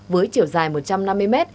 với chiều dài một trăm năm mươi m